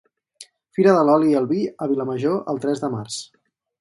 Fira de l'oli i el vi a Vilamajor el tres de març